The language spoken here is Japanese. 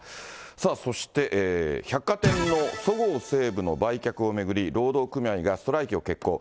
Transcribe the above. さあそして、百貨店のそごう・西武の売却を巡り、労働組合がストライキを決行。